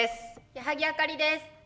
矢作あかりです。